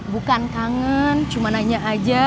bukan kangen cuma nanya aja